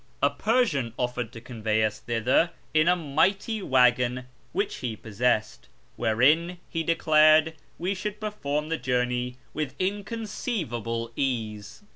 A Persian offered to convey us thitlior in a nii^lity waggon which he possessed, wherein, he dcchired, we shouKl perform the journey witli inconccivaV)h', ease.